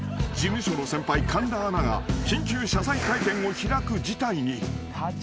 ［事務所の先輩神田アナが緊急謝罪会見を開く事態に］